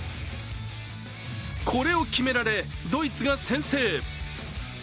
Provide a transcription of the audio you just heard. これを決められ、ドイツが先制。